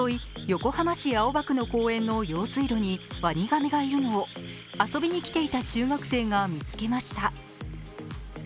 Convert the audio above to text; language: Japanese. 横浜市青葉区の公園の用水路にワニガメがいるのを遊びに来ていた中学生が見つけました。